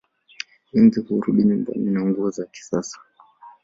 Wengi hurudi nyumbani na nguo za kisasa